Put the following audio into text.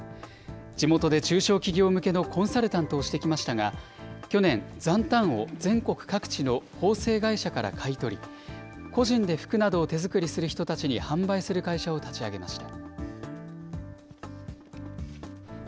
地元で中小企業向けのコンサルタントをしてきましたが、去年、残反を全国各地の縫製会社から買い取り、個人で服などを手作りする人たちなどに販売する会社を立ち上げました。